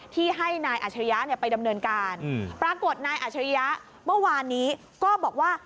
ที่ให้นายอัชริยะไปดำเนินการปรากฏนายอัชริยะเมื่อวานนี้ก็บอกว่า